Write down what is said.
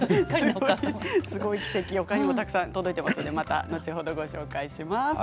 ほかにもたくさん届いていますので、また後ほどご紹介します。